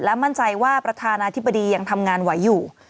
มั่นใจว่าประธานาธิบดียังทำงานไหวอยู่